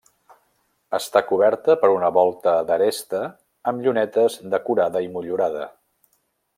Està coberta per una volta d'aresta amb llunetes decorada i motllurada.